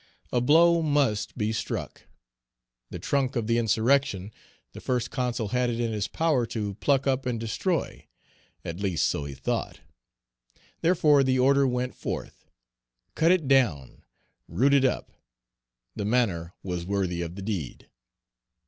A blow must be struck. The trunk of the insurrection, the First Consul had it in his power to pluck up and destroy: at least so he thought. Therefore the order went forth, "Cut it down: root it up." The manner was worthy of the deed.